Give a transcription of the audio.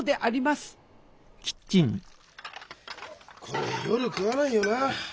これ夜食わないよな？